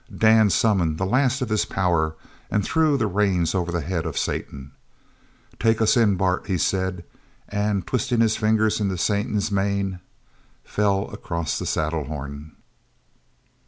Dan summoned the last of his power and threw the reins over the head of Satan. "Take us in, Bart," he said, and twisting his fingers into Satan's mane fell across the saddlehorn.